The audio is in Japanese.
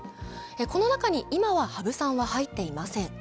この中に今は羽生さんは入っていません。